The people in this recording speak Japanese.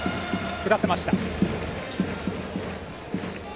振らせました。